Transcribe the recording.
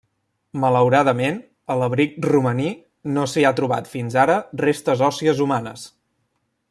Malauradament, a l'abric Romaní no s'hi ha trobat fins ara restes òssies humanes.